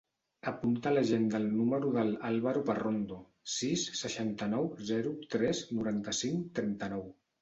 Apunta a l'agenda el número del Álvaro Parrondo: sis, seixanta-nou, zero, tres, noranta-cinc, trenta-nou.